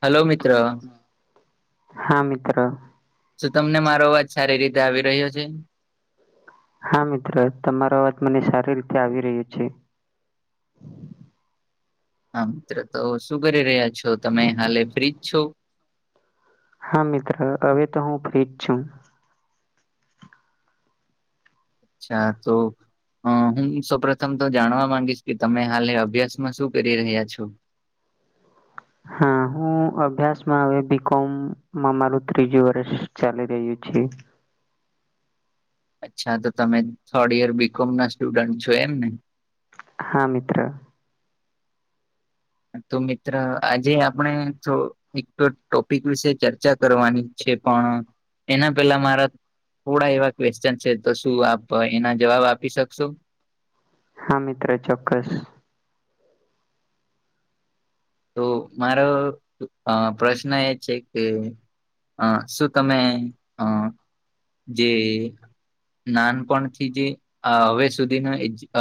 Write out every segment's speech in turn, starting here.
Hello મિત્ર હા, મિત્ર શું તમને મારો અવાજ સારી રીતે આવી રહ્યો છે. હા, મિત્ર તમારો વાત મને સારી રીતે આવી રહ્યો છે. હા, મિત્ર તો શું કરી રહ્યા છો તમે હાલે ફ્રીજ છો. હા, મિત્ર હવે તો હું ફ્રીજ છું અચ્છા તો અ હું સૌપ્રથમ તો જાણવા માંગીશ કે તમે હાલે અભ્યાસમાં શું કરી રહ્યા છો. હા, હું અભ્યાસમાં હવે બી કોમ મા મારું ત્રીજું વર્ષ ચાલી રહ્યુ છે. અચ્છા તો તમે થર્ડ ઈયર બીકોમ ના સ્ટુડન્ટ છો એમ ને હા, મિત્ર તો મિત્ર આજે આપણે તો એક તો ટોપિક વિશે ચર્ચા કરવાની છે. પણ એના પેલા મારા થોડા એવા ક્વેશ્ચન છે તો શું આપ એના જવાબ આપી શકશો. હા, મિત્ર ચોક્કસ તો મારો પ્રશ્ન એ છે કે અ શું તમે અ જે નાનપણ થી જે આ હવે સુધીનો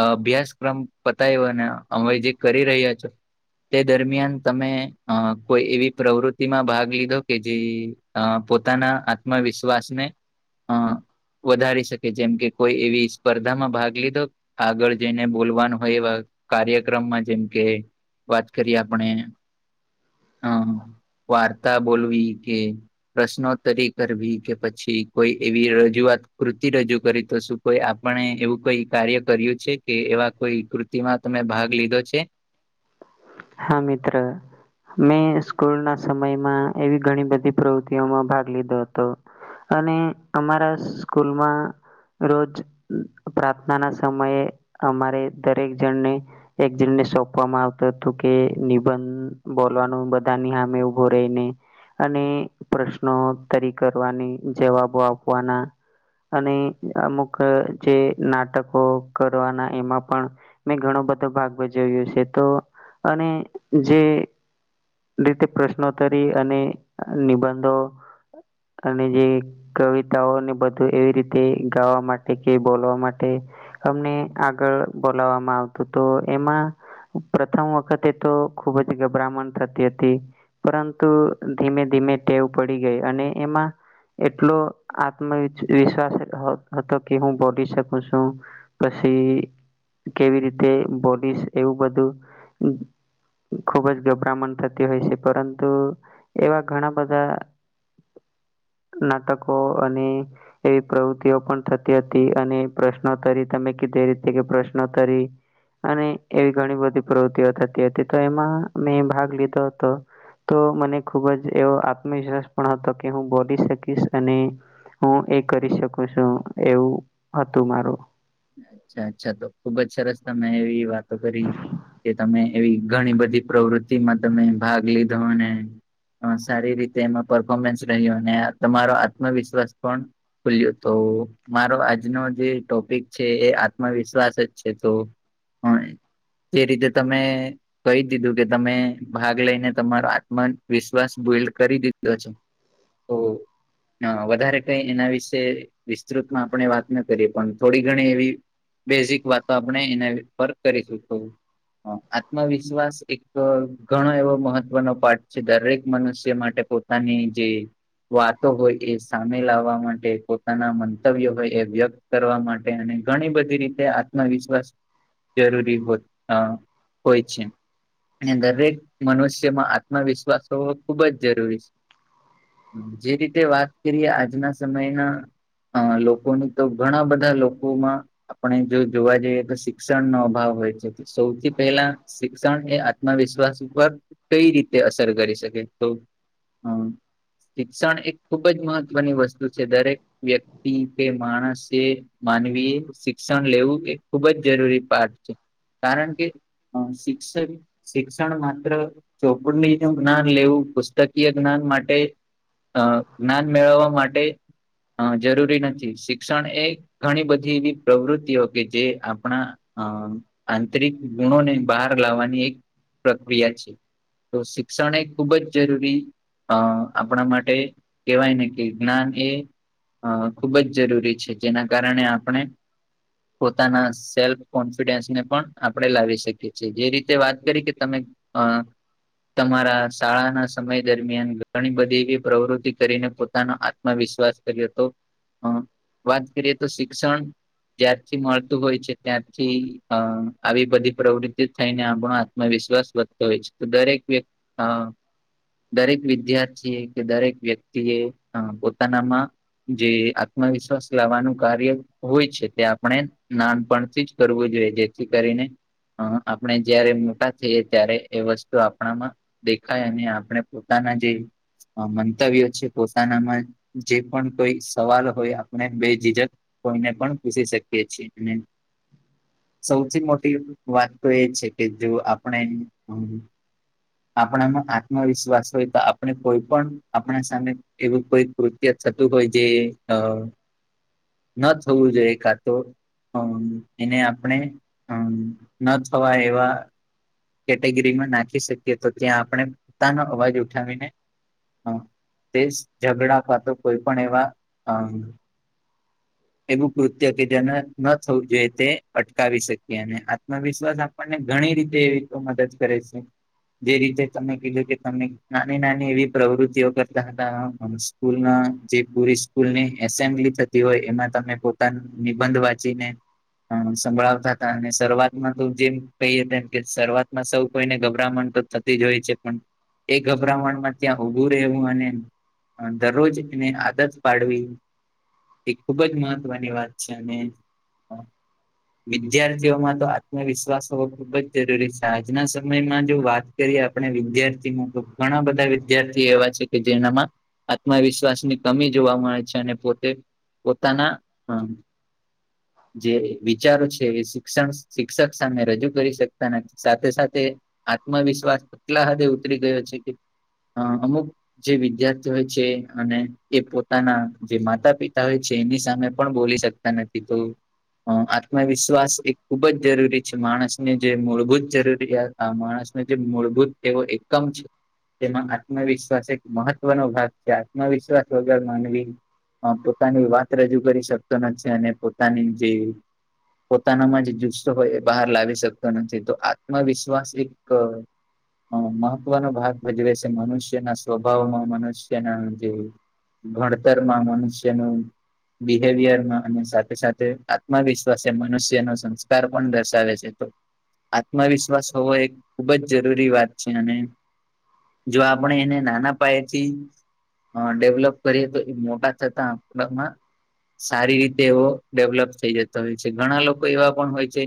અભ્યાસક્રમ પતાય્યોને અમે જે છો. તે દરમિયાન તમે કોઈ એવી પ્રવૃતિ માં ભાગ લીધો કે જે અ પોતાના આત્મવિશ્વાસને અ [inaudible] વધારી શકે જેમ કે કોઈ એવી સ્પર્ધામાં ભાગ લીધો આગળ જઈને બોલવાનું હોય એવા કાર્યક્રમમાં જેમ કે કરી આપણે અમ વાર્તા બોલવી કે પ્રશ્નોત્તરી કરવી કે પછી કોઈ એવી રજૂઆત કૃતિ રજૂ કરી તો શું કોઈ આપણે એવું કઈ કાર્ય કર્યું છે કે એવા કોઈ કૃતિમાં તમે ભાગ લીધો છે. હા, મિત્ર મેં સ્કૂલ ના સમયમાં એવી ઘણી બધી પ્રવૃતિઓમાં ભાગ લીધો હતો. અને અમારા સ્કૂલમાં રોજ પ્રાર્થના ના સમયે અમારે દરેક જણને એક જણને સોંપવામાં આવતો હતો તો કે નિબંધ બોલવાનું સામે ઉભો અને પ્રશ્નોત્તરી કરવાની જવાબો આપવાના અને અમુક જે નાટકો કરવાના એમાં પણ મેં ઘણો બધો ભાગ ભજવ્યો છે, તો અને જે રીતે પ્રશ્નોત્તરી અને નિબંધો અને જે કવિતાઓને બધું એવી રીતે ગાવા માટે કે બોલવા માટે અમને આગળ બોલાવવામાં આવતું તો એમાં પ્રથમ વખતે તો ખુબ જ ગભરામણ થતી, થતી હતી, પરંતુ ધીમે ધીમે ટેવ પડી ગઈ અને એમાં એટલો આત્મ વિશ્વ વિશ્વાસ હ હતો કે હું બોલી શકું છું, પછી કેવી રીતે બોલીસ એવું બધું ઉમ ખૂબ જ ગભરામણ થતી. થતી હોય છે, પરંતુ એવા ઘણા બધા નાટકો અને એવી પ્રવૃત્તિઓ પણ થતી હતી અને પ્રશ્નોત્તરી તમે કીધે રીતે કે પ્રશ્નોત્તરી અને એવી ઘણી બધી પ્રવૃતિઓ થતી હતી તો એમાં મેં ભાગ લીધો હતો. તો મને ખૂબ જ એવો આત્મવિશ્વાસ પણ હતો કે હું બોલી શકીશ અને હું એ કરી શકું છું એવું હતું મારું. અચ્છા અચ્છા તો ખુબ જ સરસ તમેં એવી વાતો કરી કે તમે એવી ઘણી બધી પ્રવૃતિમાં તમે ભાગ લીધો અને અહ સારી રીતે એમાં પરફોર્મન્સ રહ્યો અને તમારો આત્મવિશ્વાસ પણ ખુલ્યો તો મારો આજનો જે ટોપિક છે એ આત્મવિશ્વાસ જ છે, તો પણ એ રીતે તમે કહી દીધું કે તમે ભાગ લઈને તમારો આત્મ વિશ્વાસ [unintelligible] કરી દીધો છે. હો. હ વધારે કઈ એના વિશે વિસ્તૃતમાં આપણે વાત ન કરીએ પણ થોડી ઘણી એવી બેઝિક વાતો આપણે એના પર કરી શું તો અહ આત્મવિશ્વાસ એક ઘણો એવો મહત્વનો પાઠ છે, દરેક મનુષ્ય માટે પોતા તાની જે વાતો હોય એ સામે લાવવા માટે પોતાના મંતવ્યો હોય એ વ્યક્ત કરવા માટે તે અને ઘણી બધી રીતે આત્મવિશ્વાસ જરૂરી હોય અહ હોય છે. ને દરેક મનુષ્યમાં આત્મવિશ્વાસ હોવો ખુબ જ જરૂરી છે. જે રીતે વાત કરીએ આજના સમયના અહ લોકોનું તો ઘણા બધા લોકોમાં આપણે જો જોવા જઈએ તો શિક્ષણનો અભાવ હોય છે તો સૌથી પહેલા શિક્ષણ એ આત્મવિશ્વાસ ઉપર કઈ રીતે અસર કરી શકે તો હા. શિક્ષણ એક ખૂબ જ મહત્વની વસ્તુ છે, દરેક વ્યક્તિ કે માણસે માનવીએ શિક્ષણ લેવું એ ખુબ જ જરૂરી પાઠ છે. કારણ કે અહ શિક્ષણ શિક્ષણ માત્ર ચોપડિયું જ્ઞાન લેવું પુસ્તકીય જ્ઞાન માટે અહ જ્ઞાન મેળવવા માટે અહ જરૂરી નથી શિક્ષણ એ ઘણી બધી એવી પ્રવૃત્તિઓ કે જે આપણા અહ આંતરિક ગુણોને બહાર લાવવાની એક પ્રક્રિયા છે. તો શિક્ષણ એ ખૂબ જ જરૂરી અહ આપણા માટે કેહેવાય ને કે જ્ઞાન એ અહ ખૂબજ જરૂરી છે, જેના કારણે આપણે પોતાના સેલ્ફ કોન્ફિડન્સને પણ આપણે લાવી શકીએ છીએ જે રીતે વાત કરી કે તમે અ તમારા શાળાના સમય દરમિયાન ઘણી બધી એવી પ્રવૃતિ કરીને પોતાનો આત્ મ વિશ્વાસ કર્યો હતો અહ વાત કરીએ તો શિક્ષણ જ્યારથી મળતું હોય છે ત્યારથી અહ આવી બધી પ્રવૃતિઓ થઈને આપણો આત્ મ વિશ્વાસ વધતો હોય છે તો દરેક વ્યક્તિ અહ દરેક વિદ્યાર્થીએ કે દરેક વ્યક્તિએ અહ પોતાનામાં જે આત્મવિશ્વાસ લાવવાનું કાર્ય હોય છે તે આપણે નાનપણથી જ કરવું જોઈએ જેથી કરીને અહ આપણે જયારે મોટા થઈએ ત્યારે એ વસ્તુ આપણામાં દેખાય અને આપણે પોતાના જે મંતવ્ય છે પોતાનામાં જે પણ કોઈ સવાલ હોય આપણે બે જીજક કોઈને પણ પૂછ શકીએ છીએ અને સૌથી મોટી વાત તો એ છે કે જો આપણે અ આપણામાં આત્મવિશ્વાસ હોય તો આપણે કોઈ પણ આપણા સામે એવું કોઈ કૃત્ય થતું હોય જે અ ન થવું જોઈએ કા તો અ એને આપણે ન થવા એવા કેટેગરીમાં નાખી શકીએ તો ત્યાં આપણે પોતાનો અવાજ ઉઠાવીને અ તેજ ઝગડા પાત કોઈ પણ એવા અ એવું કૃત્ય કે જેને ન થવું જોઈએ તે અટકાવી શકીએ અને આત્મવિશ્વાસ [unintelligible] મને ઘણી રીતે એવી તો મદદ કરે છે. જે રીતે તમે કીધું કે તમે નાની નાની એવી પ્રવૃત્તિઓ કરતા હતા. સ્કૂલના જે પુરી સ્કૂલની એસેમ્બલી થતી હોય એમાં તમે પોતાનું નિબંધ વાંચીને સંભળાવતા હતા અને શરૂઆતમાં તો જેમ કહીએમ કે શરૂઆતમાં સૌ કોઈને ગભરામણતો થતી જ હોય છે પણ એ ગભરામણ માં ત્યાં ઊભું રહેવું અને દરરોજ એને આદત પાડવી એ ખૂબ જ મહત્વની વાત છે અને [inaudible] વિદ્યાર્થીઓમાં તો આત્મવિશ્વાસ હોવો ખુબ જ જરૂરી છે આજના સમયમાં જો વાત કરીએ આપણે વિદ્યાર્થીમાં તો ઘણા બધા વિદ્યાર્થી એવા છે કે જેનામાં આત્મવિશ્વાસની કમી જોવા મળે છે, અને પોતે તના હ [inaudible] જે વિચારો છે એ શિક્ષણ શિક્ષક સામે રજૂ કરી શકતા નથી સાથે સાથે આત્મવિશ્વાસ એટલા હદે ઉતરી ગયો છે કે અ અમુક જે વિદ્યાર્થી હોય છે, અને એ પોતાના જે માતા પિતા હોય. છે એની સામે પણ બોલી શકતા નથી તો હ આત્મવિશ્વાસ એ ખુબ જ જરૂરી છે માણસને જે મૂળભૂત જરૂરિયાત આ માણસનો જે મૂળભૂત એવો એકમ છે. તેમાં આત્મવિશ્વાસ એક મહત્વનો ભાગ છે આત્મવિશ્વાસ વગર માનવી પોતાની વાત રજૂ કરી શકતો નથી અને પોતાની જે પોતાનામાં જે જુસ્સો હોય એ બહાર લાવી શકતો નથી તો આત્મવિશ્વાસ એક મહત્વનો ભાગ ભજવે છે, મનુષ્યના સ્વભાવમાં મનુષ્યના જે ભણતરમાં મનુષ્યનું બિહેવિયરને અને સાથે સાથે આત્મવિશ્વાસ મનુષ્યનો સંસ્કાર પણ દર્શાવે છે તો આત્મવિશ્વાસ હોવો એક ખૂબ જ જરૂરી વાત છે અને જો આપણે એને નાના પાયેથી હ ડેવલોપ કરીએ તો એ મોટા થતા આપડામાં સારી રીતે એવો ડેવલપ થઈ જતો હોય છે ઘણા લોકો એવા પણ હોય છે.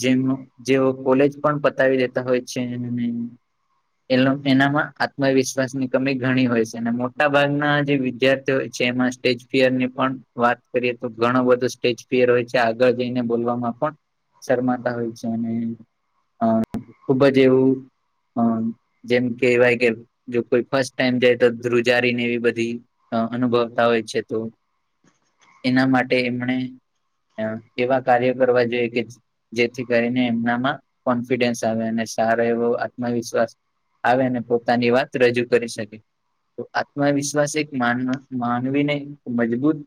જેમનો જેવો કોલેજ પણ પતાવી દેતા હોય છે એને. એ એનામાં આત્મવિશ્વાસ ની કમી ઘણી હોય છે અને મોટા ભાગના જે વિદ્યાર્થીઓ હોય. જેમાં સ્ટેજ ફર ની પણ વાત કરીએ તો ઘણો બધો સ્ટેજ ફિયર હોય છે આગળ જઈને બોલવામાં પણ શરમાતા હોય છે અને અ ખુબ જ એવું અ જેમ કેહેવાય કે જો કોઈ ફર્સ્ટ ટાઈમ જાય તો ધ્રુજારીને એવી બધી અનુભવતા હોય છે તો એના માટે એમણે [unintelligible] એવા કાર્ય કરવા જે કે જ જેથી કરીને એમનામાં કોન્ફિડેન્સ આવે ને સારો એવો આત્મવિશ્વાસ આવે ને પોતાની વાત રજૂ કરી શકે. તો આત્મવિશ્વાસ એક માન માનવી ને મજબૂત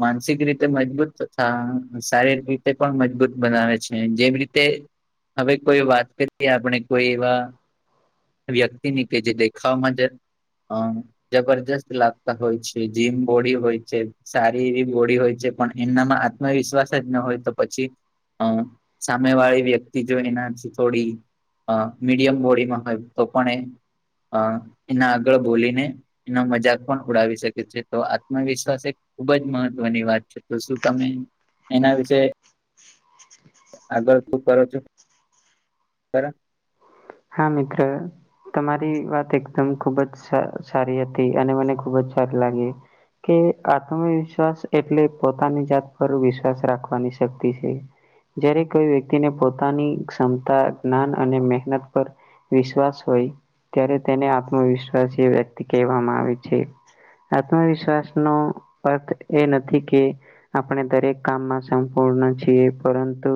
માનસિક રીતે મજબૂત તથા શારીરિક રીતે પણ મજબૂત બનાવે છે જેમ રીતે હવે કોઈ વાત કરીએ આપણે કોઈ એવા વ્યક્તિ ની કે જે દેખાવા મા જ અહ જબરજસ્ત લાગતા હોય છે જીમ બોડી હોય છે સારી એવી બોડી હોય છે પણ એમનામાં આત્મવિશ્વાસ જ ન હોય તો પછી અહ સામે વાળી વ્યક્તિ જો એનાથી થોડી અહ મીડિયમ બોડીમાં હોય તો પણ એ અહ એના આગળ બોલીને એનો મજાક પણ ઉડાવી શકે છે. તો આત્મવિશ્વાસ એ ખૂબ જ મહત્વની વાત છે શું તમે એના વિશે આગળ શું કરો છો બરા હા મિત્ર. તમારી વાત એકદમ ખુબ જ સારી હતી અને મને ખુબ જ સારી લાગી. કે આત્મવિશ્વાસ એટલે પોતાની જાત પર વિશ્વાસ રાખવાની શક્તિ છે. જ્યારે કોઈ વ્યક્તિને પોતાની ક્ષમતા જ્ઞાન અને મહેનત પર વિશ્વાસ હોય. ત્યારે તેને આત્મવિશ્વાસી વ્યક્તિ કહેવામાં આવે છે. આત્મવિશ્વાસ નો અર્થ એ નથી કે આપણે દરેક કામમાં સંપૂર્ણ છીએ પરંતુ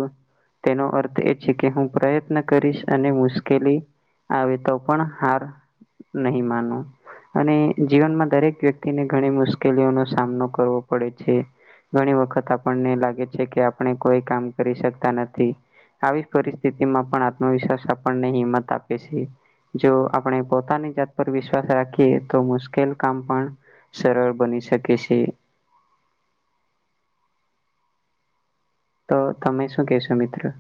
તેનો અર્થ એ છે કે હું પ્રયત્ન કરીશ અને મુશ કેલી આવે તો પણ હાર નહી માનુ. અને જીવનમાં દરેક વ્યક્તિને ઘણી મુશ્કેલીઓનો સામનો કરવો પડે છે. ઘણી વખત આપણને લાગે છે કે આપણે કોઈ કામ કરી શકતા નથી. આવી પરિસ્થિતિમાં પણ આત્મવિશ્વાસ આપણને હિંમત આપે છે. જો આપણે પોતાની જાત પર વિશ્વાસ રાખીએ તો મુશ્કેલ કામ પણ સરળ બની શકે છે. તો તમે શું કેશો મિત્ર.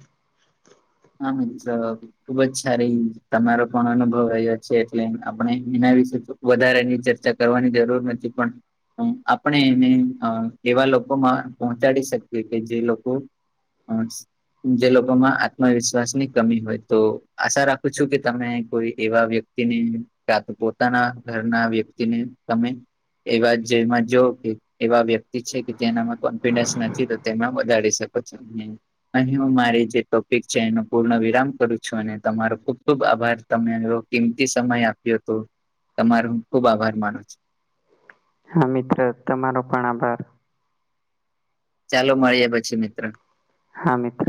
[unintelligible] ખુબ જ સારી તમારો પણ અનુભવ રહ્યો છે એટલે આપણે એના વિશે તો વધારે એની ચર્ચા કરવાની જરૂર નથી પણ હમ આપણે એને અ એવા લોકો માં પહોંચાડી શકીએ કે જે લોકો [unintelligible] જે લોકોમાં આત આત્મવિશ્વાસ ની કમી હોય તો આશા રાખું છું કે તમને કોઈ એવા વ્યક્તિને કા તો પોતાના ઘરના વ્યક્તિને તમે એવા જેમાં જો કે એવા વ્યક્તિ છે કે જેનામાં કોન્ફિડેન્સ નથી તો તેમાં વધાડી શકો છો. અહી હું મારી જે ટોપ એક ચેન નો પૂર્ણ વિરામ કરું છું અને તમારો ખુબ ખુબ આભાર તમેરો કિંમતી સમય આપ્યો તો. તમારો ખૂબ ખુબ આભાર માનું છું. હા મિત્ર તમારો પણ આભાર. ચાલો મળીએ પછી મિત્ર. હા મિત્ર.